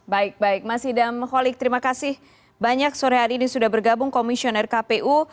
baik baik mas hidam holik terima kasih banyak sore hari ini sudah bergabung komisioner kpu